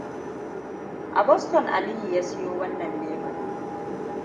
A Boston Aliyu ya sayo wannan lemar.